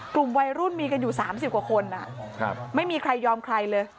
กลุ่มวัยรุ่นมีกันอยู่๓๐กว่าคนไม่มีใครยอมใครเลย